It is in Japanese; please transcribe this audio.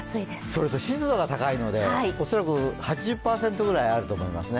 それと湿度が高いので、恐らく８０％ぐらいあると思いますね。